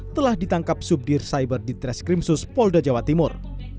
telah ditangkap subdir cyber di treskrimsus polda jawa timur